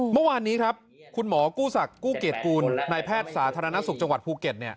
เมื่อวานนี้ครับคุณหมอกู้ศักดิ์กู้เกรดกูลนายแพทย์สาธารณสุขจังหวัดภูเก็ต